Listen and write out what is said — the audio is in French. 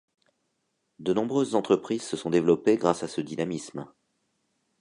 De nombreuses entreprises se sont développées grâce à ce dynamisme.